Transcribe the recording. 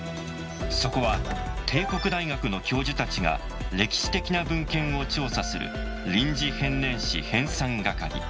そこは帝国大学の教授たちが歴史的な文献を調査する臨時編年史編纂掛